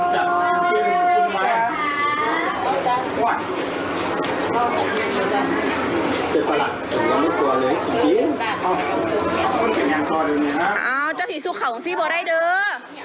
อ๋อเจ้าสีสุข่าวของสิ้นพอได้ด้วย